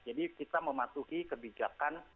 jadi kita mematuhi kebijakan